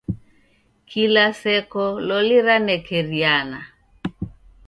Kila seko loli ranekeriana?